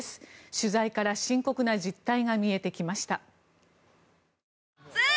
取材から深刻な実態が見えてきました。